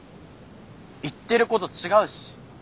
言ってること違うし。